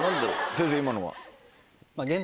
先生今のは？